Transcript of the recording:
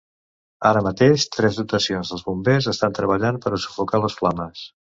Ara mateix, tres dotacions dels bombers estan treballant per a sufocar les flames.